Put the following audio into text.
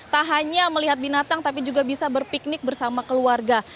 tak hanya melihat binatang tapi juga bisa berpiknik bersama keluarga